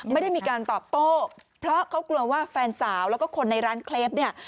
ไม่ได้มีการตอบโต้เพราะเขากลัวว่าแฟนสาวแล้วก็คนในร้านเคลปเนี่ย